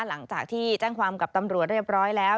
หลังจากที่แจ้งความกับตำรวจเรียบร้อยแล้ว